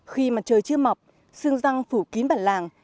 khi mặt trời chưa mọc sương răng phủ kín bản làng